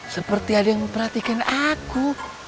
seperti ada yang memperhatikan aku